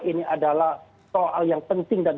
ini adalah soal yang penting dan